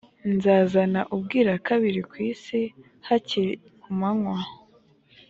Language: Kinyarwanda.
nzazana ubwirakabiri ku isi hakiri ku manywa